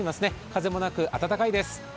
風もなく、暖かいです。